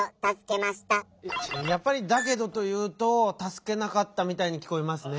やっぱり「だけど」というとたすけなかったみたいにきこえますね。